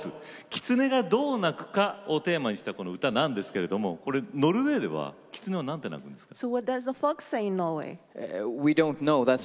「キツネがどう鳴くか」がテーマなんですがこれ、ノルウェーではキツネは何て鳴くんですか？